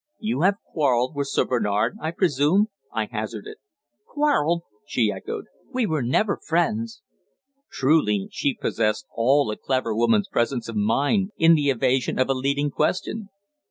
"You have quarrelled with Sir Bernard, I presume?" I hazarded. "Quarrelled!" she echoed. "We were never friends." Truly she possessed all a clever woman's presence of mind in the evasion of a leading question.